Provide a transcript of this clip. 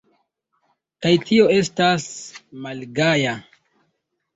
Kaj tio estas malgaja!